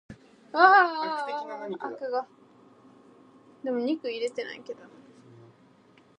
There is also a later team called the New Masters of Evil.